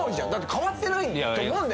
変わってないと思うんだよ。